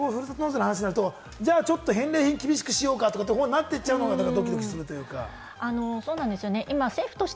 大体ふるさと納税の話になると、ちょっと返礼品、厳しくしようかとなっていっちゃうのがドキドキするというか。